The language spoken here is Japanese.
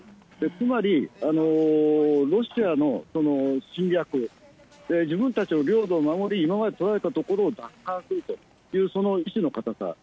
つまり、ロシアの侵略、自分たちの領土を守り、今まで取られた所を奪還するという意志の固さ。